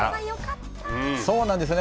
そうなんですよね。